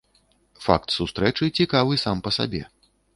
Факт сустрэчы цікавы сам па сабе.